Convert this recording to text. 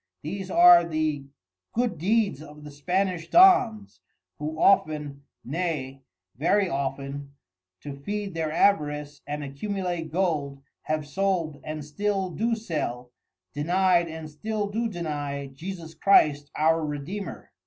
These are the good Deeds of the Spanish Dons, who often, nay very often to feed their Avarice, and accumulate Gold have sold and still do sell, denied and still do deny Jesus Christ our Redeemer.